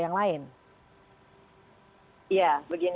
kenapa kemudian harus dibeda bedakan antara satu bidang atau satu daerah lain